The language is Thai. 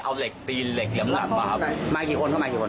เอาเหล็กตีนเหล็กแหลมมาครับมากี่คนเข้ามากี่คน